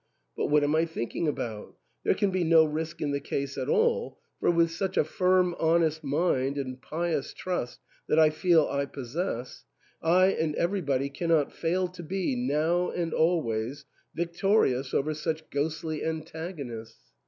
But what am I thinking about ? There can be no risk in the case at all, for with such a firm, honest mind and pious trust that I feel I possess, I and everybody cannot fail to be, now and always, vic torious over such ghostly antagonists.